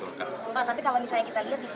pak tapi kalau misalnya kita lihat di situ